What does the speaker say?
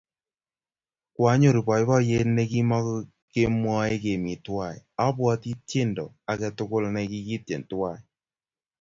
Kwaanyoru poipoiyet ne mokimwoey kemi twai. Abwoti tyendo ake tukul ne kikityen twai.